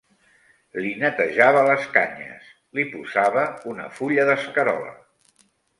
Li netejava les canyes, li posava una fulla d'escarola